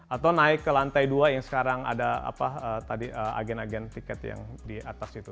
atau naik ke lantai dua yang sekarang ada agen agen tiket yang di atas itu